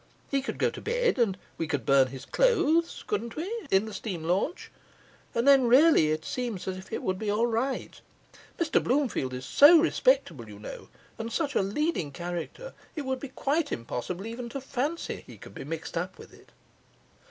He could go to bed, and we could burn his clothes (couldn't we?) in the steam launch; and then really it seems as if it would be all right. Mr Bloomfield is so respectable, you know, and such a leading character, it would be quite impossible even to fancy that he could be mixed up with it.